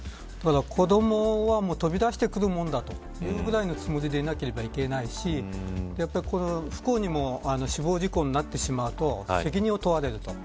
子どもは飛び出してくるものだというぐらいのつもりでいなければいけないし不幸にも死亡事故になってしまうと責任を問われると。